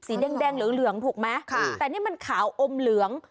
แดงเหลืองถูกไหมแต่นี่มันขาวอมเหลือง